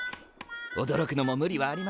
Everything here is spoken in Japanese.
おどろくのも無理はありませんね。